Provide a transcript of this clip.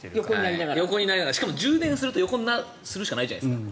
しかも充電してると横になるしかないじゃないですか。